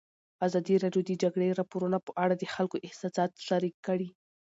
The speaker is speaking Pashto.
ازادي راډیو د د جګړې راپورونه په اړه د خلکو احساسات شریک کړي.